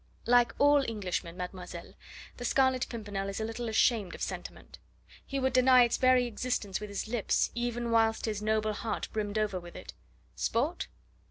"Like all Englishmen, mademoiselle, the Scarlet Pimpernel is a little ashamed of sentiment. He would deny its very existence with his lips, even whilst his noble heart brimmed over with it. Sport?